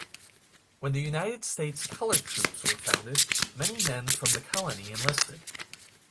When the United States Colored Troops were founded, many men from the colony enlisted.